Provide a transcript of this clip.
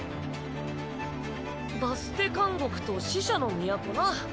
バステ監獄と死者の都な。